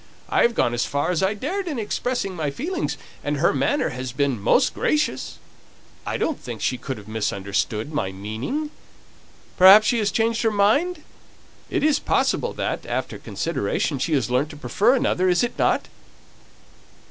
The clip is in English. I have gone as far as I dared in expressing my feelings, and her manner has been most gracious. I don't think she could have misunderstood my meaning. Perhaps she has changed her mind? It is possible that, after consideration, she has learnt to prefer another, is it not?"